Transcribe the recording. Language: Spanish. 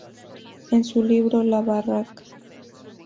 En su libro "La Barraca.